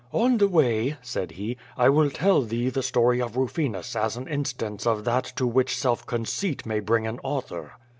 "On the way," said he, "I will tell thee the story of Rufinus as an instance of that to which self conceit may bring an au thor."